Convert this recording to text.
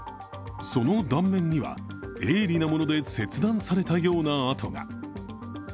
その断面には鋭利なもので切断されたような痕が。